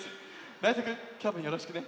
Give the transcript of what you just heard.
ライトくんきょうもよろしくね。